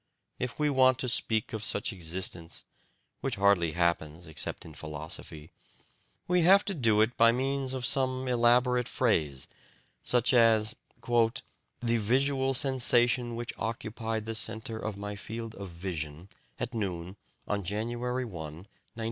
If we want to speak of such existents which hardly happens except in philosophy we have to do it by means of some elaborate phrase, such as "the visual sensation which occupied the centre of my field of vision at noon on January 1, 1919."